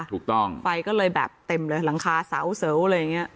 ถูกต้องไฟก็เลยแบบเต็มเลยหลังคาเสาเสวอะไรอย่างนี้